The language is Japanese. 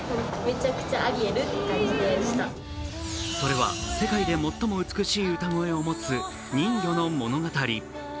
それは、世界で最も美しい歌声を持つ人魚の物語。